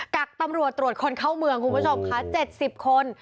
กับตำรวจตรวจคนเข้าเมืองคุณผู้ชมค่ะ๗๐คน